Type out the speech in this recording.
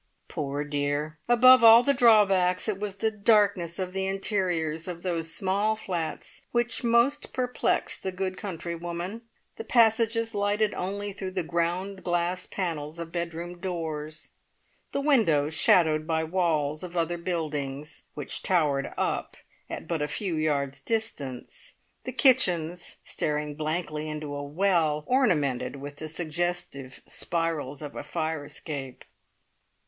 Poor dear! Above all the drawbacks, it was the darkness of the interiors of those small flats which most perplexed the good countrywoman: the passages lighted only through the ground glass panels of bedroom doors; the windows shadowed by walls of other buildings, which towered up at but a few yards' distance; the kitchens staring blankly into a "well," ornamented with the suggestive spirals of a fire escape.